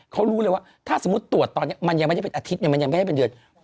เขารู้เลยว่าถ้าสมมุติตรวจตอนนี้มันยังไม่ได้เป็นอาทิตย์มันยังไม่ได้เป็นเดือน